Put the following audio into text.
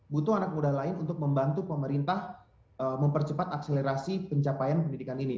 butuh anak muda lain untuk membantu pemerintah mempercepat akselerasi pencapaian pendidikan ini